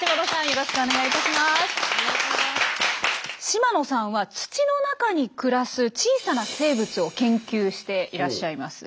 島野さんは土の中に暮らす小さな生物を研究していらっしゃいます。